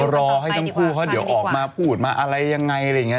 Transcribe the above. รอให้ต้องพูดเดี๋ยวออกมาพูดมาอะไรยังไง